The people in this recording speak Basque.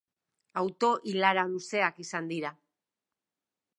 Auto-ilara luzeak izan dira.